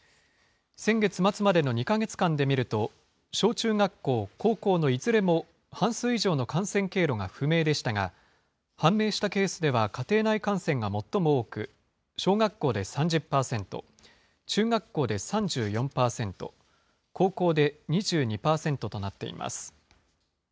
先月末までの２か月間で見ると、小中学校、高校のいずれも半数以上の感染経路が不明でしたが、判明したケースでは家庭内感染が最も多く、小学校で３０％、中学校で３４％、高校で２２％となっています。